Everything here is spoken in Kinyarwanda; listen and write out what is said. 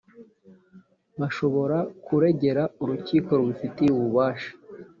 bashobora kuregera urukiko rubifitiye ububasha